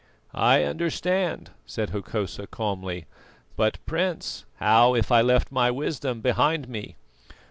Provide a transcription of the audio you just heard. "I understand," said Hokosa calmly. "But, Prince, how if I left my wisdom behind me?"